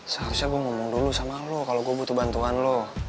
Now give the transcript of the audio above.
seharusnya gue ngomong dulu sama lo kalau gue butuh bantuan lo